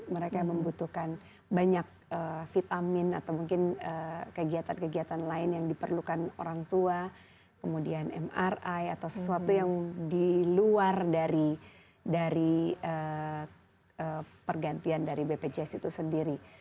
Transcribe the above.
mereka membutuhkan banyak vitamin atau mungkin kegiatan kegiatan lain yang diperlukan orang tua kemudian mri atau sesuatu yang di luar dari pergantian dari bpjs itu sendiri